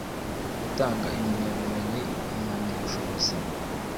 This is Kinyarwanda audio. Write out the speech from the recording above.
gutanga impamyabumenyi impamyabushobozi